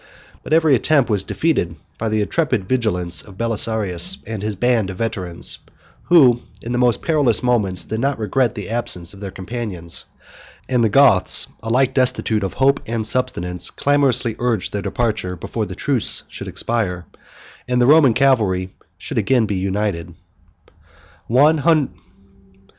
But every attempt was defeated by the intrepid vigilance of Belisarius and his band of veterans, who, in the most perilous moments, did not regret the absence of their companions; and the Goths, alike destitute of hope and subsistence, clamorously urged their departure before the truce should expire, and the Roman cavalry should again be united.